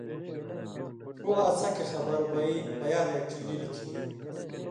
ݜُو اڅھکیۡ خبر بئ پیالے ڇیلِلیۡ کھیں